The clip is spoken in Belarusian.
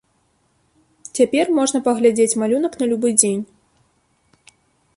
Цяпер можна паглядзець малюнак на любы дзень.